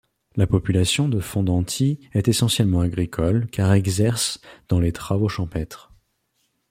La population de Fondanti est essentiellement agricole car exerce dans les travaux champêtres.